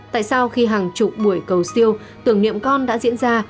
tại sao khi hàng chục buổi cầu siêu